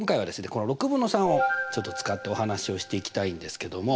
この６分の３をちょっと使ってお話しをしていきたいんですけども。